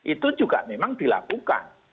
itu juga memang dilakukan